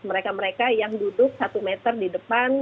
mereka mereka yang duduk satu meter di depan